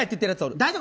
大丈夫？